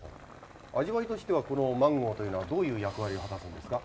味わいとしてはこのマンゴーというのはどういう役割を果たすんですか？